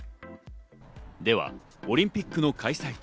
では、オリンピックの開催